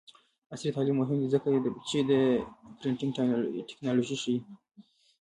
عصري تعلیم مهم دی ځکه چې د پرنټینګ ټیکنالوژي ښيي.